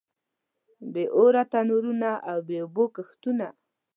بې اوره تنورونه او بې اوبو کښتونه.